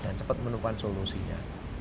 dan cepat menemukan solusinya